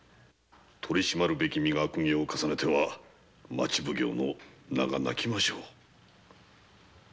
取り締まるべき身が悪行を重ねては町奉行の名が泣きましょう！